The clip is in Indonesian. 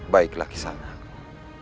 baiklah kisah anakku